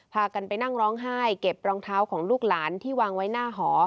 พากันไปนั่งร้องไห้เก็บรองเท้าของลูกหลานที่วางไว้หน้าหอ